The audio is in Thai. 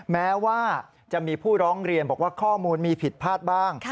แม้ว่าจะมีผู้ร้องเรียนบอกว่าข้อมูลมีผิดพลาดบ้าง